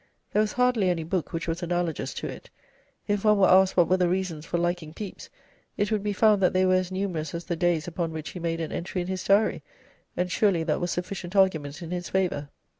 There was hardly any book which was analogous to it..... If one were asked what were the reasons for liking Pepys, it would be found that they were as numerous as the days upon which he made an entry in his Diary, and surely that was sufficient argument in his favour.